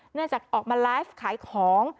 จากออกมาไลฟ์ขายของ